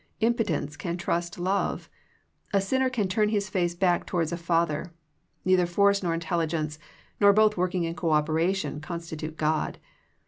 Impo tence can trust love. A sinner can turn his face back towards a Father. ISTeither force nor intelli gence, nor both working in cooperation consti tute God.